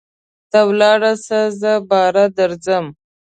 ته ولاړسه زه باره درځم.